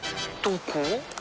どこ？